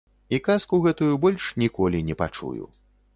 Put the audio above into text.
І казку гэтую больш ніколі не пачую.